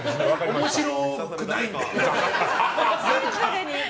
面白くないんで。